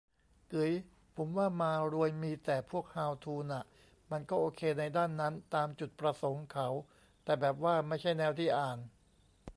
กึ๋ย ผมว่ามารวยมีแต่พวกฮาวทูน่ะ มันก็โอเคในด้านนั้น ตามจุดประสงค์เขา แต่แบบว่าไม่ใช่แนวที่อ่าน